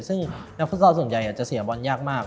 ซึ่งนักฟุตซอลส่วนใหญ่จะเสียบอลยากมาก